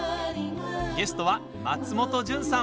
ゲストは松本潤さん。